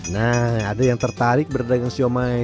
nah ada yang tertarik berdagang siomay